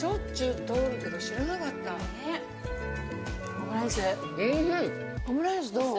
オムライスどう？